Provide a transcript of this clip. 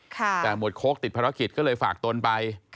แต่หมวดโค้กติดภารกิจก็เลยฝากตนไป